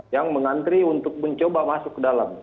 yang mengantri untuk mencoba masuk ke dalam